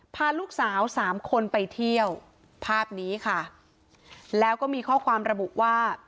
พาลูกสาวสามคนไปเที่ยวภาพนี้ค่ะแล้วก็มีข้อความระบุว่า